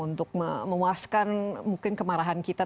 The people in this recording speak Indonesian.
untuk memuaskan mungkin kemarahan kita